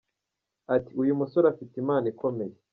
Ati” Uyu musore afite impano ikomeye.